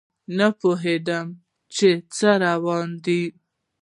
نه پوهیدم چې څه روان دي